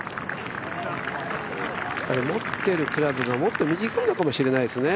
持っているクラブがもっと短いのかもしれないですね。